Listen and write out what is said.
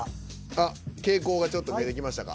あっ傾向がちょっと見えてきましたか？